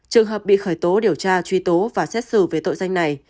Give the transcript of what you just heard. trường hợp bị khởi tố điều tra truy tố và xét xử về tội danh này